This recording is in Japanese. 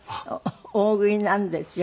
大食いなんですよ。